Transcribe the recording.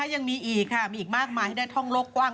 ยังมีอีกค่ะมีอีกมากมายให้ได้ท่องโลกกว้าง